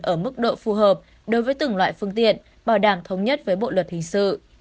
ở mức độ phù hợp đối với từng loại phương tiện bảo đảm thống nhất với bộ luật hình sự